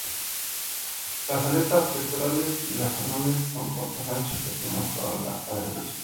Las aletas pectorales y las anales son cortas, anchas y aplanadas, para la adherencia.